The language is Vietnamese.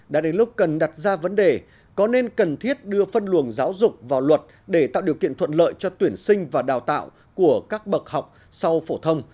đã đến lúc cần đặt ra vấn đề có nên cần thiết đưa phân luồng giáo dục vào luật để tạo điều kiện thuận lợi cho tuyển sinh và đào tạo của các bậc học sau phổ thông